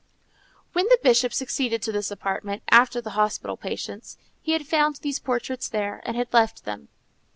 When the Bishop succeeded to this apartment, after the hospital patients, he had found these portraits there, and had left them.